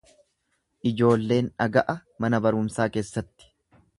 Ijoolleen dhaga'a mana barumsaa keessatti.